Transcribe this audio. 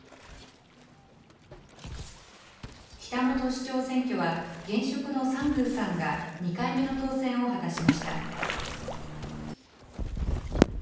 北本市長選挙は、現職の三宮さんが２回目の当選を果たしました。